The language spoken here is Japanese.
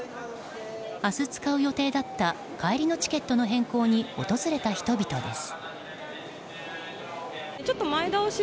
明日使う予定だった帰りのチケットの変更に訪れた人々です。